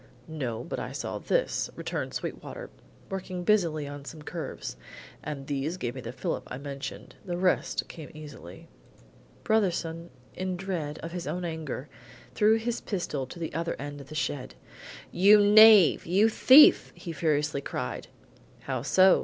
"No, but I saw this," returned Sweetwater, working busily on some curves; "and these gave me the fillip I mentioned. The rest came easily." Brotherson, in dread of his own anger, threw his pistol to the other end of the shed: "You knave! You thief!" he furiously cried. "How so?"